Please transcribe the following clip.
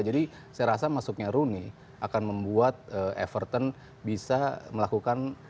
jadi saya rasa masuknya rooney akan membuat everton bisa melakukan